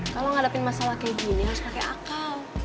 kalo ngadepin masalah kayak gini harus pake akal